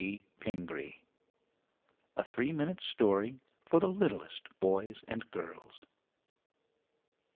B. PINGREE. A three minute story for the littlest boys and girls.